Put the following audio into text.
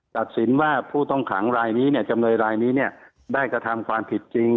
ตัดสินว่าผู้ต้องขังรายนี้จำนวยรายนี้ได้กระทำความผิดจริง